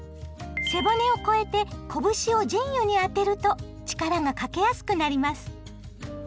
背骨を越えて拳を腎兪に当てると力がかけやすくなります。